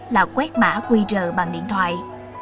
là quét mã qr bằng điện thoại